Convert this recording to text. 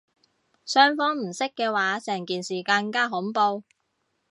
雙方唔識嘅話成件事更加恐怖